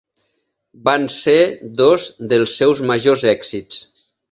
Van ser dos dels seus majors èxits.